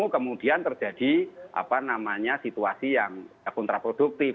tidak mau kemudian terjadi situasi yang kontraproduktif